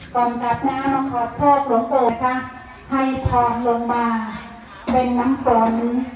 ต้องจับหน้าขอบโชคลงโตให้ทองลงมาเป็นน้ำสน